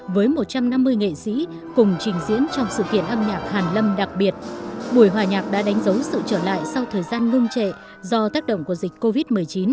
với một trăm năm mươi nghệ sĩ cùng trình diễn trong sự kiện âm nhạc hàn lâm đặc biệt buổi hòa nhạc đã đánh dấu sự trở lại sau thời gian ngưng trệ do tác động của dịch covid một mươi chín